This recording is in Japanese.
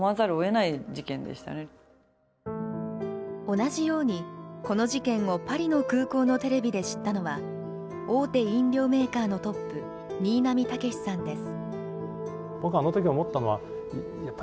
同じようにこの事件をパリの空港のテレビで知ったのは大手飲料メーカーのトップ新浪剛史さんです。